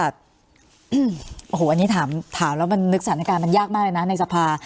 โอ้โหอันนี้ถามแล้วมันนึกสถานการณ์มันยากมากเลยนะในสภา